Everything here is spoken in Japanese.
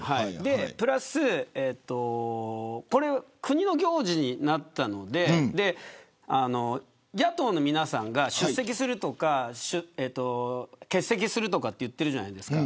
プラス国の行事になったので野党の皆さんが出席するとか欠席するとか言っているじゃないですか。